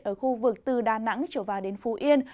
ở khu vực từ đà nẵng trở vào đến phú yên